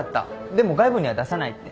でも外部には出さないって。